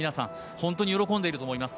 本当に喜んでいると思います。